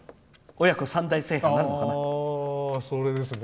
親子３代制覇なるのかな。